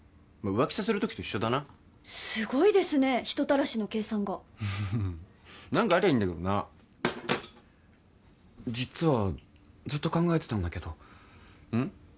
浮気させる時と一緒だなすごいですね人たらしの計算が何かありゃいいんだけどな実はずっと考えてたんだけどうん？